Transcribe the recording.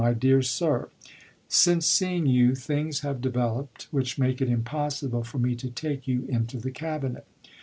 My Dear Sir : Since seeing you things have developed which make it impossible for me to take you into the Cabinet.